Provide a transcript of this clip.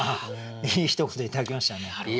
いいひと言頂きましたね。